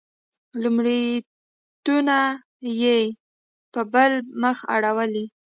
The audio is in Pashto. لومړیتونه یې په بل مخ اړولي.